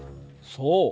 そう。